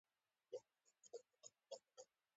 په داسې ډول چې جميله راویښه نه شي له کټ نه کوز شوم.